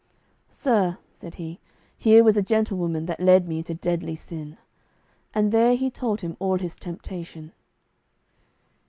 "Sir," said he, "here was a gentlewoman that led me into deadly sin," and there he told him all his temptation.